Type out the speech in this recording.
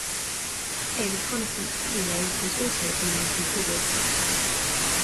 A reconnaissance payload is also being considered.